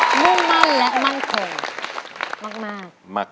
มุ่งมั่นและมั่นคงมาก